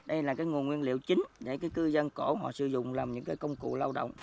đây là nguồn nguyên liệu chính để cư dân cổ sử dụng làm những công cụ lao động